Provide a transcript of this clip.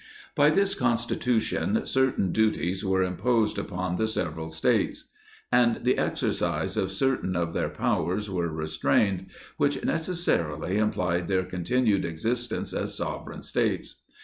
By this Constitution, certain duties were imposed upon the several States, and the exercise of certain of their pow ers were restrained, which necessarily implied their contin ued existence as sovereign States.